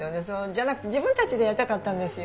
じゃなくて自分たちでやりたかったんですよ。